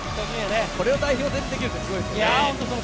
これを代表戦でできるってすごいですよ。